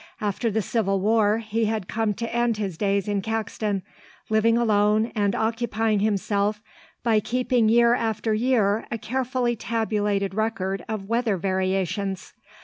After the Civil War he had come to end his days in Caxton, living alone and occupying himself by keeping year after year a carefully tabulated record of weather variations.